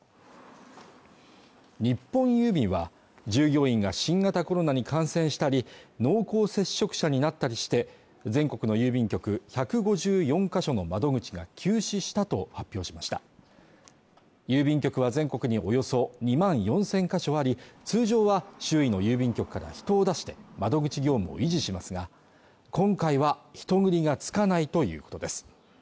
日本郵便は従業員が新型コロナに感染したり濃厚接触者になったりして全国の郵便局１５４か所の窓口が休止したと発表しました郵便局は全国におよそ２万４０００か所あり通常は周囲の郵便局から人を出して窓口業務を維持しますが今回は人繰りがつかないということです